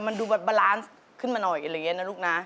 มันดูแบบบาลานซ์ขึ้นมาหน่อยอะไรอย่างนี้นะลูกนะ